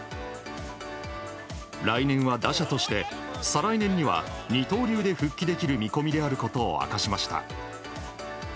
来年は打者として、再来年には二刀流として復帰できる見込みであることを明かしました。